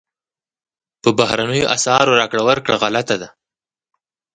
په بهرنیو اسعارو راکړه ورکړه غلطه ده.